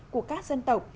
của các dân tộc